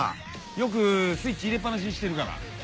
よくスイッチ入れっ放しにしてるから。